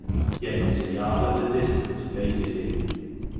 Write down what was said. Yet not a yard of the distance bated he.